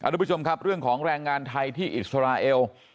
ทุกผู้ชมครับเรื่องของแรงงานไทยที่อิสราเอล